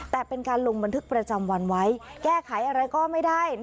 แต่เป็นการลงบันทึกประจำวันไว้แก้ไขอะไรก็ไม่ได้